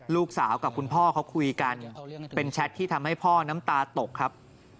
ลูกสาวกับคุณพ่อเขาคุยกันเป็นแชทที่ทำให้พ่อน้ำตาตกครับ